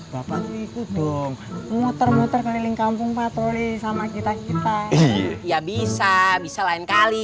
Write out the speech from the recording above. bapak muter muter keliling kampung patroli sama kita kita ya bisa bisa lain kali